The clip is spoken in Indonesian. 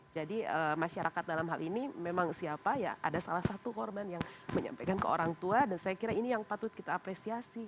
jadi masyarakat dalam hal ini memang siapa ya ada salah satu korban yang menyampaikan ke orang tua dan saya kira ini yang patut kita apresiasi